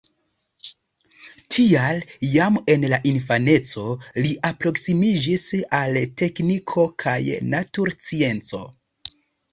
Tial jam en la infaneco li alproksimiĝis al tekniko kaj naturscienco.